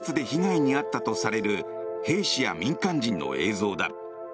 これは、その毒物で被害に遭ったとされる兵士や民間人の映像だ。